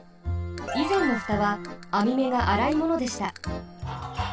いぜんのふたはあみめがあらいものでした。